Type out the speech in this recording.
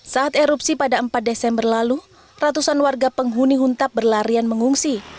saat erupsi pada empat desember lalu ratusan warga penghuni huntap berlarian mengungsi